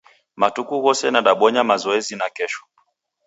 Matuku ghose nadabonya mazoezi nakesho